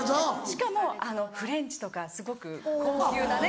しかもフレンチとかすごく高級なね。